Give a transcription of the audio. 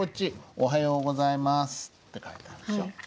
「おはようございます」って書いてあるでしょ。